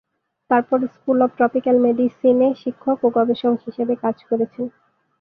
তারপর 'school of tropical মেডিসিনে' শিক্ষক ও গবেষক হিসাবে কাজ করেছেন।